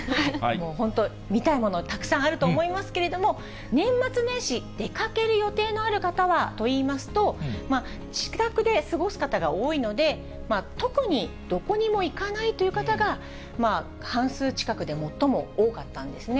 本当、見たいもの、たくさんあると思いますけれども、年末年始、出かける予定のある方はといいますと、自宅で過ごす方が多いので、特にどこにも行かないという方が半数近くで最も多かったんですね。